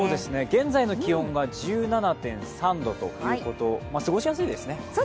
現在の気温は１７．３度ということ、過ごしやすいですね。